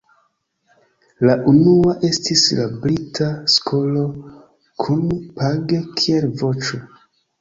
La unua estis la "brita skolo", kun Page kiel voĉo.